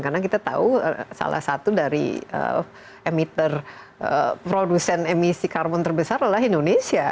karena kita tahu salah satu dari emitter produsen emisi karbon terbesar adalah indonesia